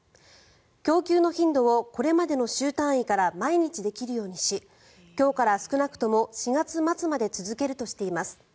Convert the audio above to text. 供給の頻度をこれまでの週単位から毎日できるようにし今日から少なくとも４月末まで続けるとしています。